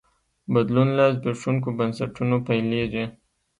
بدلون له زبېښونکو بنسټونو پیلېږي.